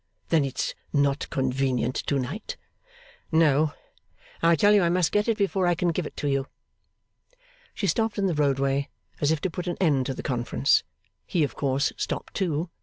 Then it's not convenient to night?' 'No. I tell you I must get it before I can give it to you.' She stopped in the roadway, as if to put an end to the conference. He of course stopped too.